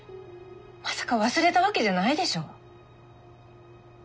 まさか忘れたわけじゃないでしょう？